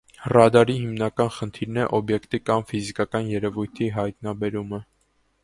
Ռադարի հիմանական խնդիրն է օբյեկտի կամ ֆիզիկական երևույթի հայտնաբերումը։